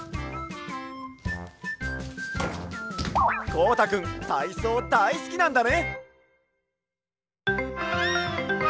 こうたくんたいそうだいすきなんだね！